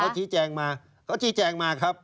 เขาชี้แจงมาเขาชี้แจงมาครับ